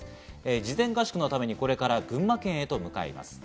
事前合宿のためにこれから群馬県へと向かいます。